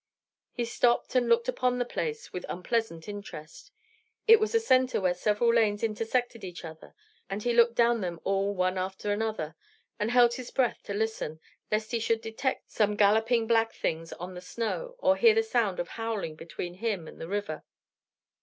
He stopped and looked upon the place with unpleasant interest it was a centre where several lanes intersected each other; and he looked down them all one after another, and held his breath to listen, lest he should detect some galloping black things on the snow or hear the sound of howling between him and the river.